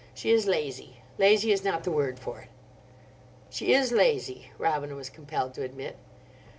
She is lazy—lazy is not the word for it." "She is lazy," Robina was compelled to admit.